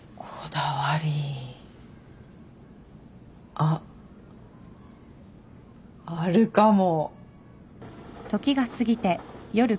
あっあるかも。